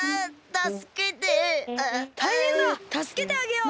たすけてあげよう！